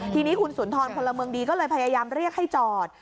ทีนี้คุณสุนทรพลเมืองดีก็เลยพยายามเรียกให้จอด